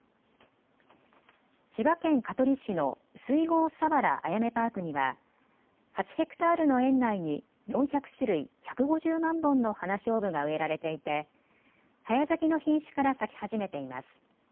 千葉県香取市の水郷佐原あやめパークには８ヘクタールの園内に４００種類１５０万本のハナショウブが植えられていて早咲きの品種から咲き始めています。